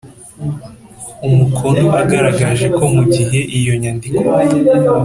Umukono agaragaje ko mu gihe iyo nyandiko